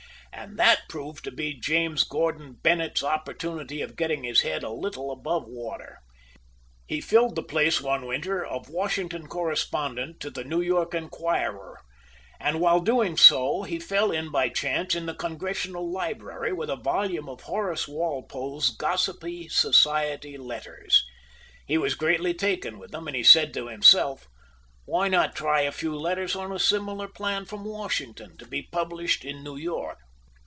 And that proved to be James Gordon Bennett's opportunity of getting his head a little above water. He filled the place one winter of Washington corespondent to the New York "Enquirer;" and while doing so he fell in by chance in the Congressional library with a volume of Horace Walpole's gossiping society letters. He was greatly taken with them, and he said to himself: "Why not try a few letters on a similar plan from Washington, to be published in New York?"